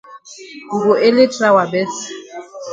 We go ele try wa best.